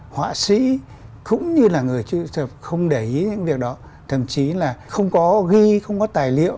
họa sĩ cũng như là người không để ý những việc đó thậm chí là không có ghi không có tài liệu